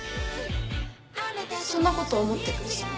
そんなこと思ってくれてたの？